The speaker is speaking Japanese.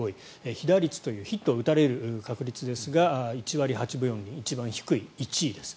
被打率というヒットを打たれる確率ですが１割８分４厘一番低い１位です。